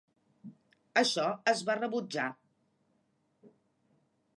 Això es va rebutjar.